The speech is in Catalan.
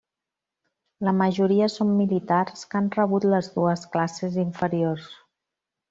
La majoria són militars que han rebut les dues classes inferiors.